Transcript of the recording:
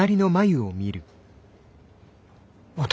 私？